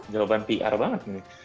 jawaban pr banget ini